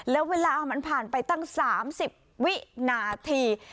แล้วเวลามันผ่านไปตั้ง๓๐วินาที